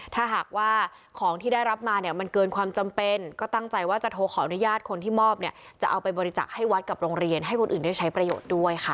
ถ้าหากว่าของที่ได้รับมาเนี่ยมันเกินความจำเป็นก็ตั้งใจว่าจะโทรขออนุญาตคนที่มอบเนี่ยจะเอาไปบริจักษ์ให้วัดกับโรงเรียนให้คนอื่นได้ใช้ประโยชน์ด้วยค่ะ